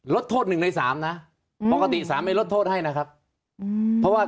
ลดโทษ๑ใน๓นะมอกาสอีสาเมย์ลดโทษให้นะครับเพราะว่า